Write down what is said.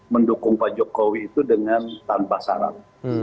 mendukung pak jokowi itu dengan tanpa syarat